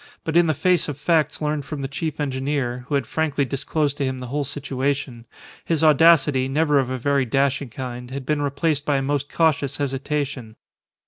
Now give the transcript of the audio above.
But in the face of facts learned from the chief engineer (who had frankly disclosed to him the whole situation) his audacity, never of a very dashing kind, had been replaced by a most cautious hesitation.